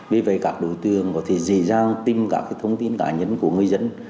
vì vậy các đối tượng có thể dễ dàng tìm cả cái thông tin cá nhân của người dân